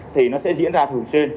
thì nó sẽ diễn ra thường xuyên